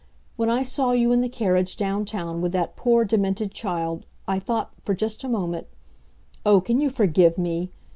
When I saw you in the carriage downtown, with that poor, demented child, I thought, for just a moment oh, can you forgive me?